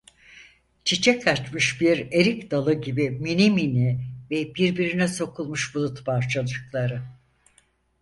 Çiçek açmış bir erik dalı gibi minimini ve birbirine sokulmuş bulut parçacıkları…